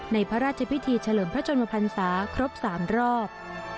พระราชพิธีเฉลิมพระชนมพันศาครบ๓รอบ